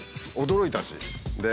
驚いたし。